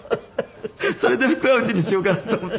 それで「福は内」にしようかなと思って。